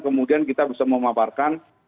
kemudian kita bisa memaparkan